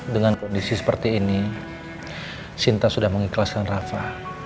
dengan kondisi seperti ini sinta sudah mengikhlaskan rafa